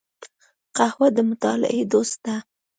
قهوه د مطالعې دوست ده